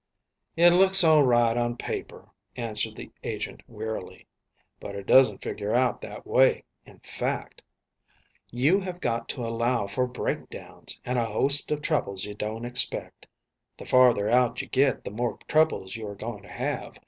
"It looks all right on paper," answered the agent wearily, "but it doesn't figure out that way in fact. You have got to allow for breakdowns, and a host of troubles you don't expect. The farther out you get the more troubles you are going to have.